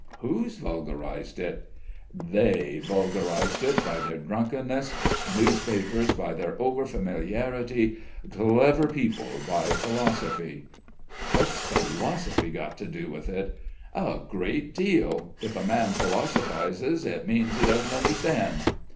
"Who's vulgarised it?" "They vulgarised it by their drunkenness, newspapers by their over familiarity, clever people by philosophy." "What's philosophy got to do with it?" "A great deal. If a man philosophises, it means he doesn't understand."